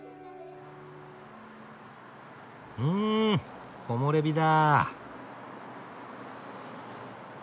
うん木漏れ日だ。